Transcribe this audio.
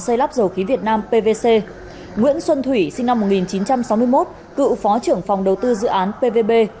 xây lắp dầu khí việt nam pvc nguyễn xuân thủy sinh năm một nghìn chín trăm sáu mươi một cựu phó trưởng phòng đầu tư dự án pvb